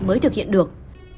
mới thực hiện được